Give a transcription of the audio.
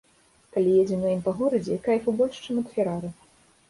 Калі едзем на ім па горадзе, кайфу больш, чым ад ферары.